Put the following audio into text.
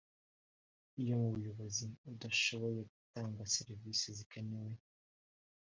iyo umuyobozi adashoboye gutanga serivisi zikenewe